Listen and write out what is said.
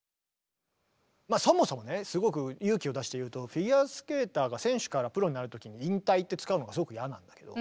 そもそもねすごく勇気を出して言うとフィギュアスケーターが選手からプロになるときに「引退」って使うのがすごく嫌なんだけど。